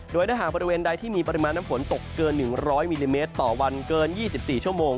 โดยถ้าหากบริเวณใดที่มีปริมาณน้ำฝนตกเกิน๑๐๐มิลลิเมตรต่อวันเกิน๒๔ชั่วโมง